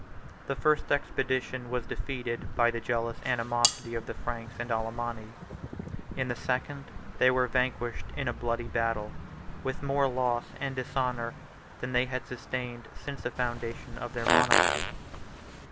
The first expedition was defeated by the jealous animosity of the Franks and Alemanni. In the second they were vanquished in a bloody battle, with more loss and dishonor than they had sustained since the foundation of their monarchy.